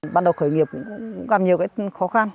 ban đầu khởi nghiệp cũng gặp nhiều khó khăn